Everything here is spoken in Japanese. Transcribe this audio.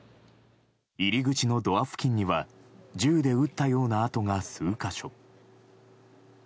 入り口のドア付近には銃で撃ったような跡が数か所。